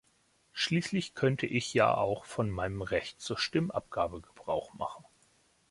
Schließlich könnte ich ja auch von meinem Recht zur Stimmabgabe Gebrauch machen.